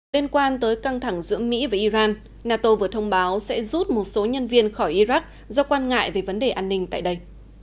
liên quan tới căng thẳng giữa mỹ và iran nato vừa thông báo sẽ rút một số nhân viên khỏi iraq do quan ngại về vấn đề an ninh tại đây